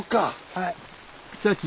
はい。